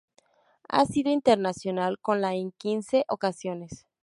Ha sido internacional con la en quince ocasiones.